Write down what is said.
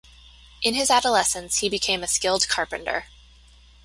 In his adolescence he became a skilled carpenter.